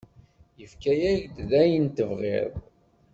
Yefka-ak-d ayen tebɣiḍ.